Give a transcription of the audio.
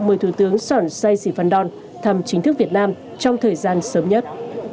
mời thủ tướng sởn say sì phan đoan thăm chính thức việt nam trong thời gian sớm nhất